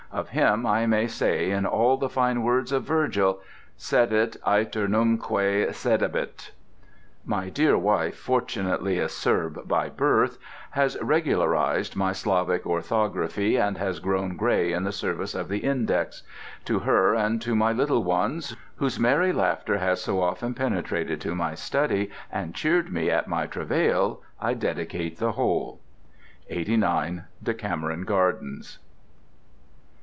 Of him I may say, in the fine words of Virgil, "Sedet aeternumque sedebit." My dear wife, fortunately a Serb by birth, has regularized my Slavic orthography, and has grown gray in the service of the index. To her, and to my little ones, whose merry laughter has so often penetrated to my study and cheered me at my travail, I dedicate the whole. 89, Decameron Gardens.